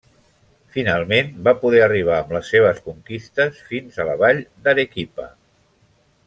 Finalment, va poder arribar amb les seves conquistes fins a la vall d'Arequipa.